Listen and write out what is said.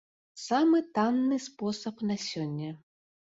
Самы танны спосаб на сёння.